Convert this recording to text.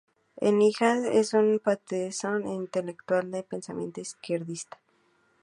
Es hija de un partisano e intelectual de pensamiento izquierdista.